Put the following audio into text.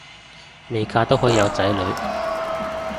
未嫁都可以有仔女